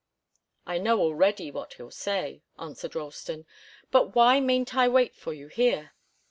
"I know already what he'll say," answered Ralston. "But why mayn't I wait for you here?"